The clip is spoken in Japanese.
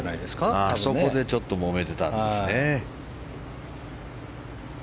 あそこでちょっともめてたんですね。